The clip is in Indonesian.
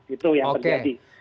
itu yang terjadi